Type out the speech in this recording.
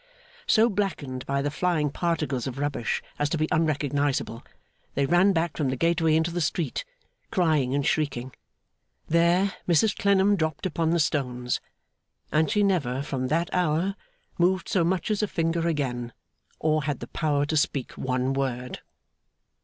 So blackened by the flying particles of rubbish as to be unrecognisable, they ran back from the gateway into the street, crying and shrieking. There, Mrs Clennam dropped upon the stones; and she never from that hour moved so much as a finger again, or had the power to speak one word.